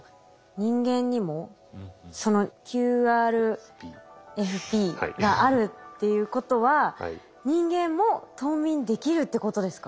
人間にもそのＱＲＦＰがあるっていうことは人間も冬眠できるってことですか？